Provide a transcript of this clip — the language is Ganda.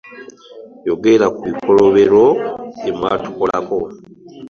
Yogera ku bikolobero bye mwatukolako.